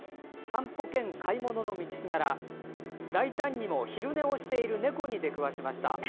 散歩兼買い物の道すがら大胆にも昼寝をしている猫に出くわしました。